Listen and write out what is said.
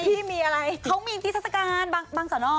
พี่มีอะไรเขามีอินติศักดิ์ศักดิ์การบางสน